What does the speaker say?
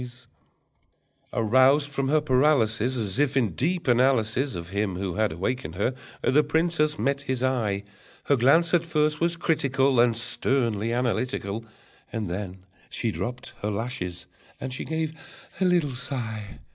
Aroused from her paralysis, As if in deep analysis Of him who had awakened her, the princess met his eye: Her glance at first was critical, And sternly analytical. And then she dropped her lashes and she gave a little sigh.